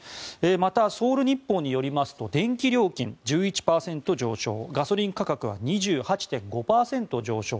また、ソウル日報によりますと電気料金、１１％上昇ガソリン価格は２８．５％上昇。